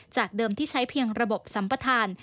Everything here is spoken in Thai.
จากเดิมที่ใช้เพียงระบบสัมปทาน